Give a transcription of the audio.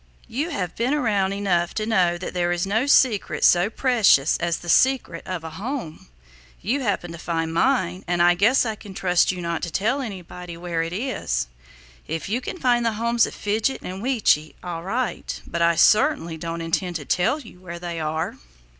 You have been around enough to know that there is no secret so precious as the secret of a home. You happened to find mine, and I guess I can trust you not to tell anybody where it is. If you can find the homes of Fidget and Weechi, all right, but I certainly don't intend to tell you where they are."